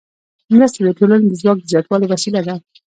مرسته د ټولنې د ځواک د زیاتوالي وسیله ده.